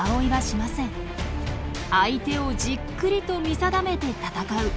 相手をじっくりと見定めて戦う。